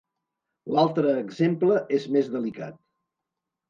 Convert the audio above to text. L'altre exemple és més delicat.